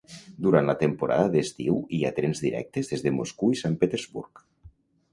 Durant la temporada d'estiu hi ha trens directes des de Moscou i Sant Petersburg.